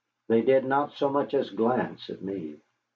They did not so much as glance at me.